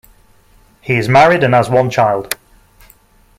He is married and has one child.